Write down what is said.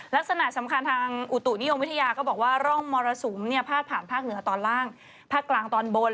ลักษณะสำคัญทางอุตุนิยมวิทยาก็บอกว่าร่มมรสมภาพผ่านฝนฝนเกาะตอนล่างฝนกลางตอนบน